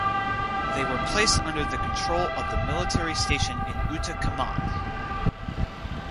They were placed under the control of the Military station in Ootacamund.